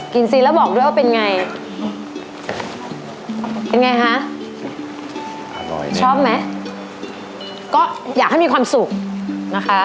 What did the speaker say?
ซีแล้วบอกด้วยว่าเป็นไงเป็นไงคะอร่อยชอบไหมก็อยากให้มีความสุขนะคะ